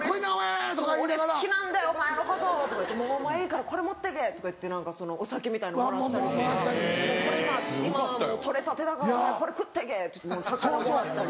「俺好きなんだよお前のことお前いいからこれ持ってけ」。とか言ってお酒みたいのもらったりとか「これ今取れたてだからお前これ食ってけ」って魚もらったり。